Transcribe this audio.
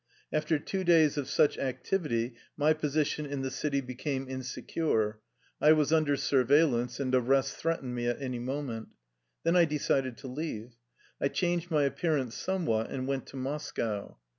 After two days of such activity my position in the city became insecure. I was under surveil lance, and arrest threatened me at any moment. Then I decided to leave. I changed my appear ance somewhat, and went to Moscow.